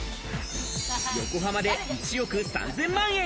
横浜で１億３０００万円。